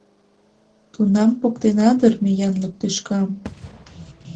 Тунам поктена дыр ме янлык тӱшкам...